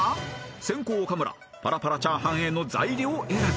［先攻岡村パラパラチャーハンへの材料選び］